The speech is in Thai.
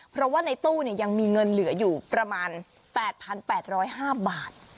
เพราะว่าในตู้ยังมีเงินเหลืออยู่ประมาณ๘๘๐๕บาท